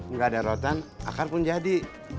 nggak ada rotan akar pun jadi